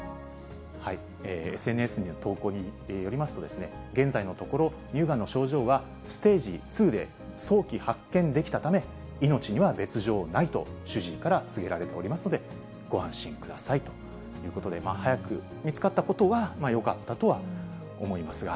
ＳＮＳの投稿によりますと、現在のところ、乳がんの症状はステージ２で、早期発見できたため、命には別状ないと、主治医から告げられておりますので、ご安心くださいということで、早く見つかったことはよかったとは思いますが。